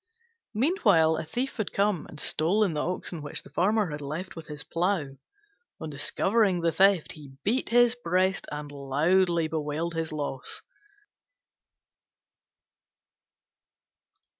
Meanwhile, a thief had come and stolen the oxen which the Farmer had left with his plough. On discovering the theft, he beat his breast and loudly bewailed his loss.